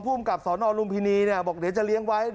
ผู้อำกับสรรค์โอนรุทินีบอกจะเลี้ยงไว้